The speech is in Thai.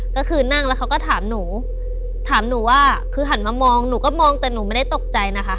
ก็คือนั่งแล้วเขาก็ถามหนูถามหนูว่าคือหันมามองหนูก็มองแต่หนูไม่ได้ตกใจนะคะ